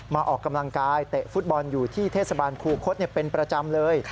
ออกกำลังกายเตะฟุตบอลอยู่ที่เทศบาลคูคศเป็นประจำเลย